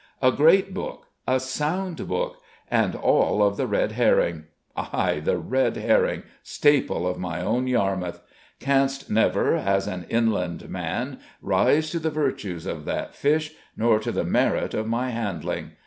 A great book a sound book and all of the red herring! Ay, the red herring, staple of my own Yarmouth. Canst never, as an inland man, rise to the virtues of that fish nor to the merit of my handling.